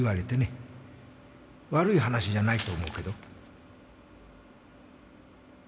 悪い話じゃないと思うけど。